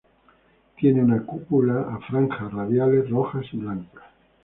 Tiene una cúpula a franjas radiales rojas y blancas.